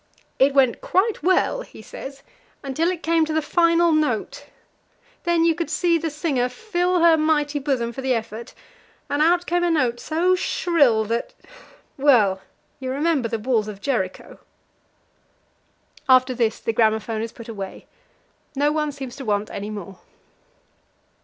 "It went quite well," he says, "until it came to the final note. Then you could see the singer fill her mighty bosom for the effort, and out came a note so shrill that well, you remember the walls of Jericho." After this the gramophone is put away. No one seems to want any more.